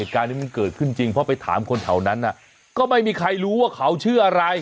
ขึ้นจริงเพราะไปถามคนเถ่านั้นอ่ะก็ไม่มีใครรู้ว่าเขาชื่ออะไร